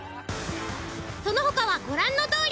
その他はご覧のとおり。